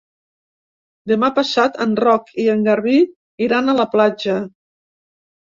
Demà passat en Roc i en Garbí iran a la platja.